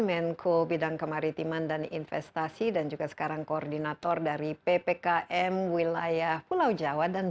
menko bidang kemaritiman dan investasi dan juga sekarang koordinator dari ppkm wilayah pulau jawa dan